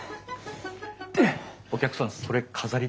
お客さんそれ飾りです。